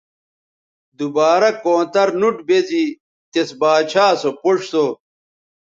دوبارہ کونتر نوٹ بیزی تس باچھا سو پوڇ سو